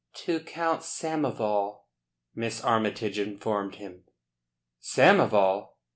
"To Count Samoval," Miss Armytage informed him. "Samoval!"